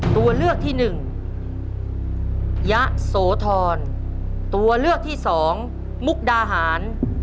ตัวเลือกที่หนึ่งยะโสธรตัวเลือกที่สองมุกดาหาร